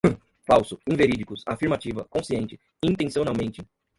falso, inverídicos, afirmativa, consciente, intencionalmente